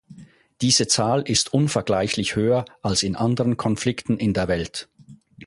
Diese Zahl ist unvergleichlich höher als in anderen Konflikten in der Welt.